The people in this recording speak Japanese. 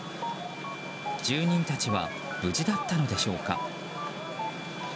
住人達は無事だったのでしょうか。